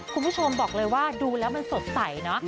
คุณผู้ชมบอกเลยว่าดูแล้วมันสดใสเนอะ